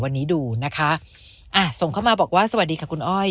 วันนี้ดูนะคะอ่ะส่งเข้ามาบอกว่าสวัสดีค่ะคุณอ้อย